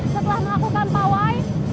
setelah melakukan pawai